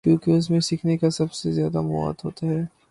کیونکہ اس میں سیکھنے کا سب سے زیادہ مواد ہو تا ہے۔